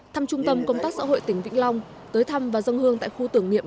thăm trung tâm công tác xã hội tỉnh vĩnh long tới thăm và dân hương tại khu tưởng niệm